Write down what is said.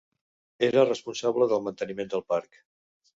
Era responsable del manteniment del parc.